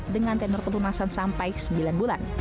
dengan tenor pelunasan sampai sembilan bulan